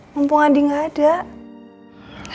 mumpung andi nggak ada